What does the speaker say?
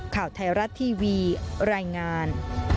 ข่าวไทยรัฐทีวีรายงาน